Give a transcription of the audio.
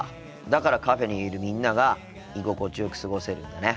だからカフェにいるみんなが居心地よく過ごせるんだね。